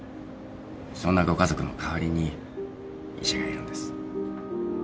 そんなご家族の代わりに医者がいるんです。